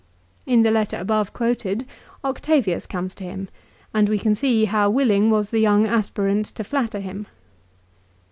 In the letter above quoted Octavius comes to him, and we can see how willing was the young aspirant to flatter him.